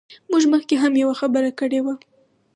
موږ مخکې هم یوه خبره کړې وه.